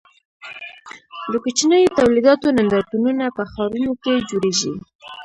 د کوچنیو تولیداتو نندارتونونه په ښارونو کې جوړیږي.